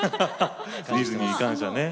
ディズニーに感謝ね。